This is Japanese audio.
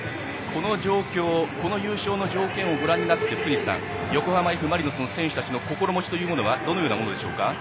この優勝の条件をご覧になって福西さん、横浜Ｆ・マリノスの選手たちの心持ちはどのようなものでしょうか。